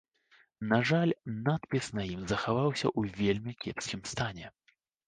На жаль, надпіс на ім захаваўся ў вельмі кепскім стане.